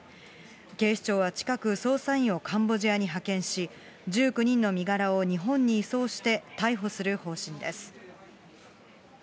警視庁は近く、捜査員をカンボジアに派遣し、１９人の身柄を日本に移送して、逮捕する方針です。